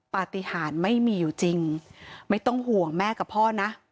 ปฏิหารไม่มีอยู่จริงไม่ต้องห่วงแม่กับพ่อนะ